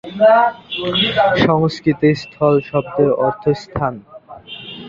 সংস্কৃতে "স্থল" শব্দের অর্থ "স্থান"।